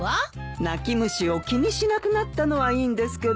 泣き虫を気にしなくなったのはいいんですけど。